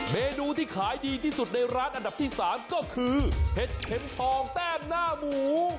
เมนูที่ขายดีที่สุดในร้านอันดับที่๓ก็คือเห็ดเข็มทองแต้มหน้าหมู